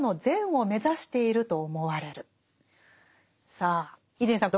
さあ伊集院さん